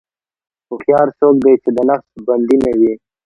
هوښیار څوک دی چې د نفس بندي نه وي.